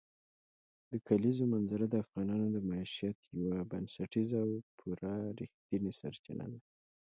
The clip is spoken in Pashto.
د کلیزو منظره د افغانانو د معیشت یوه بنسټیزه او پوره رښتینې سرچینه ده.